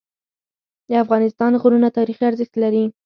د افغانستان غرونه تاریخي ارزښت لري.